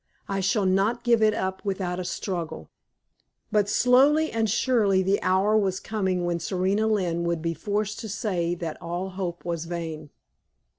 I shall not give it up without a struggle!" But slowly and surely the hour was coming when Serena Lynne would be forced to say that all hope was vain.